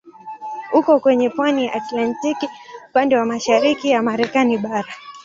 Uko kwenye pwani ya Atlantiki upande wa mashariki ya Marekani bara.